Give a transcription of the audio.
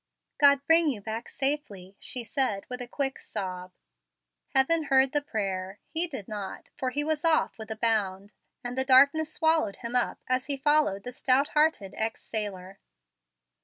"God bring you back safely," she said, with a quick sob. Heaven heard the prayer. He did not, for he was off with a bound; and the darkness swallowed him up as he followed the stout hearted ex sailor.